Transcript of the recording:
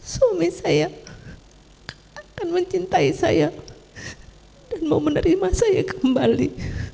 suami saya akan mencintai saya dan mau menerima saya kembali